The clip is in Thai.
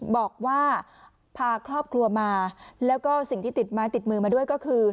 บอกว่าพาครอบครัวมาแล้วก็สิ่งที่ติดไม้ติดมือมาด้วยก็คือ